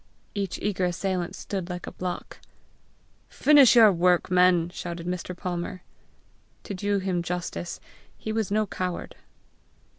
Each eager assailant stood like a block. "Finish your work, men!" shouted Mr. Palmer. To do him justice, he was no coward.